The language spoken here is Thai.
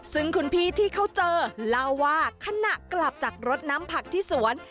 ซึ่งคุณพี่ที่เขาเจอเล่าว่าขณะกลับจากรถน้ำผักที่สวน